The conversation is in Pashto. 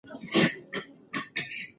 دوست او دښمن وپېژنئ.